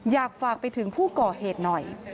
อยากฝากไปถึงผู้ก่อเหตุหน่อย